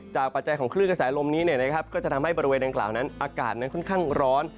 ปัจจัยของคลื่นกระแสลมนี้ก็จะทำให้บริเวณดังกล่าวนั้นอากาศนั้นค่อนข้างร้อน